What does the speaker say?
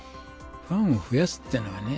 ファンを増やすっていうのがね